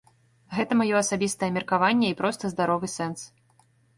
Гэта маё асабістае меркаванне і проста здаровы сэнс.